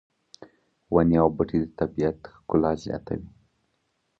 ونې او بوټي د طبیعت ښکلا زیاتوي